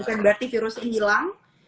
bukan berarti virusnya hilang